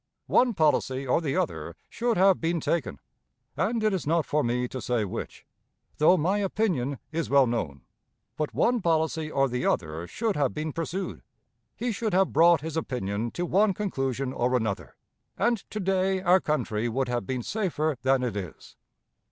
One policy or the other should have been taken; and it is not for me to say which, though my opinion is well known; but one policy or the other should have been pursued. He should have brought his opinion to one conclusion or another, and to day our country would have been safer than it is.